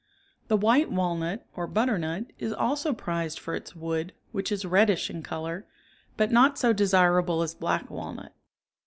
78 The white walnut, or butternut, is also prized for its wood which is reddish in color, but not so desir able as black walnut.